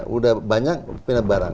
sudah banyak pilih barang